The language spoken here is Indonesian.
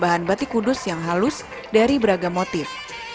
bahan batik kudus yang halus dari beragam motif